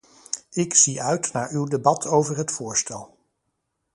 Ik zie uit naar uw debat over het voorstel.